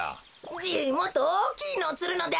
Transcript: じいもっとおおきいのをつるのだ！